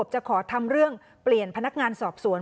จะขอทำเรื่องเปลี่ยนพนักงานสอบสวน